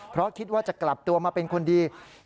เพราะคิดว่าจะกลับตัวมาเป็นคนดี